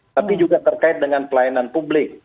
tapi juga terkait dengan pelayanan publik